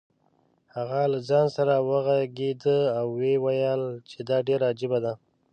هغه له ځان سره وغږېد او ویې ویل چې دا ډېره عجیبه ده.